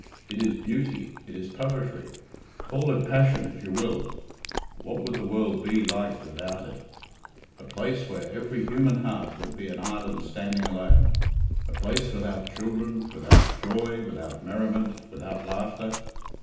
It is beauty, it is poetry. Call it passion if you will what would the world be like without it? A place where every human heart would be an island standing alone; a place without children, without joy, without merriment, without laughter.